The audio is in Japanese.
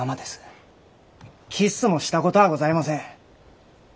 キッスもしたことはございません。